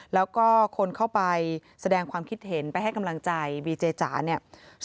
แล้วก็คนเข้าไปแสดงความคิดเห็นไปให้กำลังใจบีเจจ๋าเนี่ย